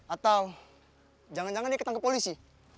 atau jangan jangan dia ketangkep polisi